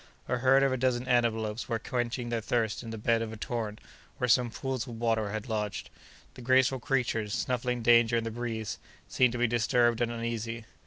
A herd of a dozen antelopes were quenching their thirst in the bed of a torrent where some pools of water had lodged. The graceful creatures, snuffing danger in the breeze, seemed to be disturbed and uneasy.